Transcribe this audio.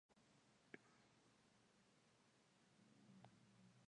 La capilla presenta una planta rectangular formada por tres zonas bien diferenciadas.